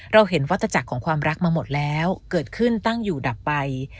เราเห็นวัตจักรของความรักมาหมดแล้วเกิดขึ้นตั้งอยู่ดับไป